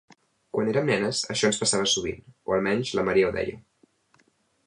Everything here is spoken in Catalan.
Quan érem nenes això ens passava sovint, o almenys la Maria ho deia.